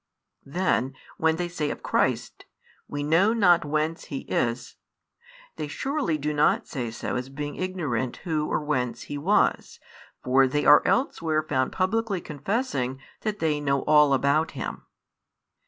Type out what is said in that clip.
Then, when they say of Christ: We know not whence He is, they surely do not say so as being ignorant Who or whence He was, for they are elsewhere found publicly confessing that they know all about Him.